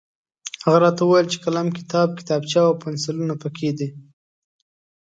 هغه راته وویل چې قلم، کتاب، کتابچه او پنسلونه پکې دي.